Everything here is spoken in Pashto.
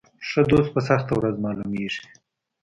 ښه دوست په سخته ورځ معلومیږي.